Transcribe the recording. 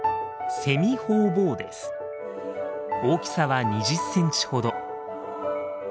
大きさは２０センチほど。